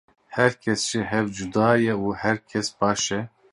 Her kes ji hev cuda ye û her kes baş e.